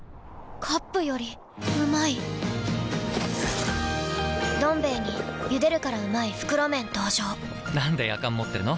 カップよりうまい「どん兵衛」に「ゆでるからうまい！袋麺」登場なんでやかん持ってるの？